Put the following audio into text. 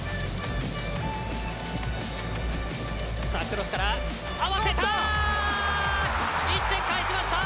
クロスから、合わせた！